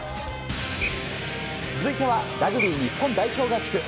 続いてはラグビー日本代表合宿。